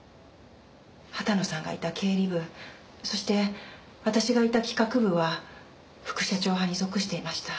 畑野さんがいた経理部そして私がいた企画部は副社長派に属していました。